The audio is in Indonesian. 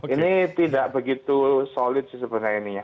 ini tidak begitu solid sih sebenarnya ini ya